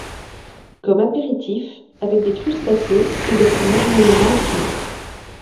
Comme apéritif, avec des crustacés et des fromages moyennement affinés.